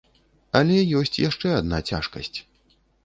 Але ёсць яшчэ адна цяжкасць.